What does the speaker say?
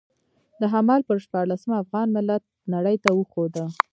د حمل پر شپاړلسمه افغان ملت نړۍ ته وښوده.